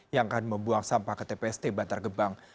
yang akan membuang sampah ke tpst bantar gebang